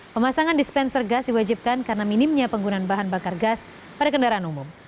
pemasangan dispenser gas diwajibkan karena minimnya penggunaan bahan bakar gas pada kendaraan umum